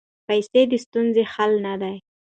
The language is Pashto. پیسې د ستونزو حل نه دی.